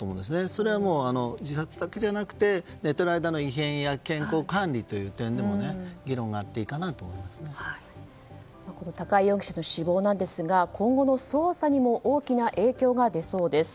それは自殺だけじゃなくて寝てる間の異変や健康管理という点でも高井容疑者の死亡ですが今後の捜査にも大きな影響が出そうです。